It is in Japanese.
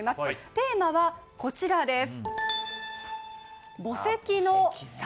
テーマはこちらです。